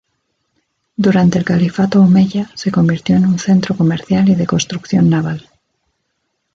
Durante el califato Omeya se convirtió en un centro comercial y de construcción naval.